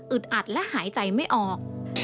อึดอัดต่อหายใจไม่ออก